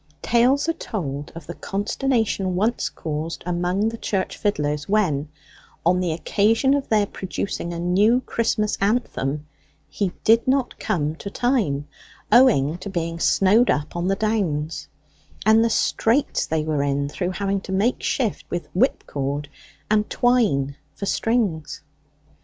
Tales are told of the consternation once caused among the church fiddlers when, on the occasion of their producing a new Christmas anthem, he did not come to time, owing to being snowed up on the downs, and the straits they were in through having to make shift with whipcord and twine for strings.